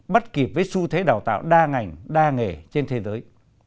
bắt kịp với xu thế đào tạo đa ngành đa nghề trên thế giới